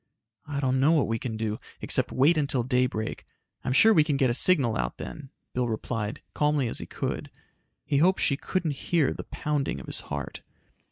"I don't know what we can do, except wait until daybreak. I'm sure we can get a signal out then," Bill replied, calmly as he could. He hoped she couldn't hear the pounding of his heart.